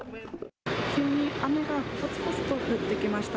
急に雨がぽつぽつと降ってきました。